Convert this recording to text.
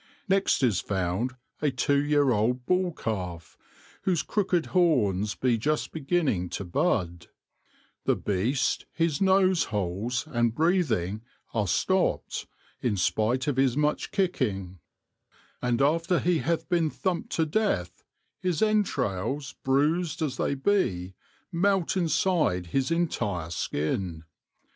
Next is found a two year old bull calf, whose crooked horns bee just beginning to bud ; the beast his nose holes and breathing are stopped, in spite of his much kicking ; and after he hath been thumped to death, his entrails, bruised as they bee, melt inside his entire skinne.